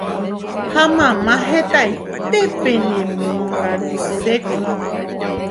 ha mamá hetaite penemongarusékuri